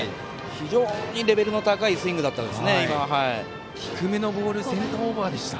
非常にレベルの高いスイングでした。